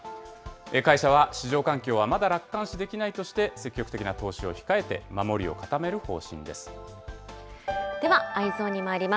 会社は、市場環境はまだ楽観視できないとして、積極的な投資を控では、Ｅｙｅｓｏｎにまいります。